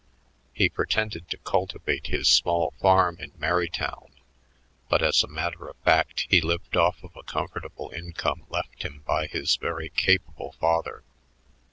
He pretended to cultivate his small farm in Merrytown, but as a matter of fact he lived off of a comfortable income left him by his very capable father.